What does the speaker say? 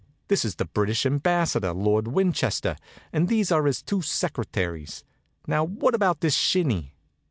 This is the British Ambassador, Lord Winchester, and these are his two secretaries. Now, what about this shinny?"